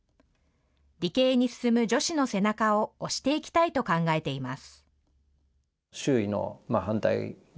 理系に進む女子の背中を押していきたいと考えています。